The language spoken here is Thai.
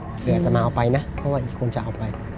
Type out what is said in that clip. เดี๋ยวอาจจะมาเอาไปนะเพราะว่าอีกคนจะเอาไป